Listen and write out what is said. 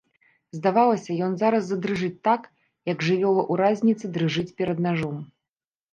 Здавалася, ён зараз задрыжыць так, як жывёла ў разніцы дрыжыць перад нажом.